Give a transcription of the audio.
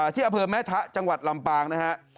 ที่อเภิมแม่ทะจังหวัดลำปางนะครับ